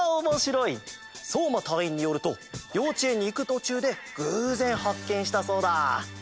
そうまたいいんによるとようちえんにいくとちゅうでぐうぜんはっけんしたそうだ。